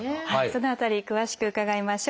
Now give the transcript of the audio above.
その辺り詳しく伺いましょう。